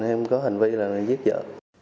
em có hành vi là giết vợ